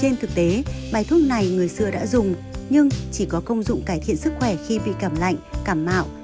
trên thực tế bài thuốc này người xưa đã dùng nhưng chỉ có công dụng cải thiện sức khỏe khi bị cảm lạnh cảm mạo